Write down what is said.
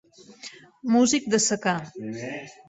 Músic de secà.